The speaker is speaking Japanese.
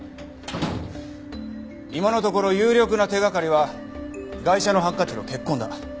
今のところ有力な手がかりはガイシャのハンカチの血痕だ。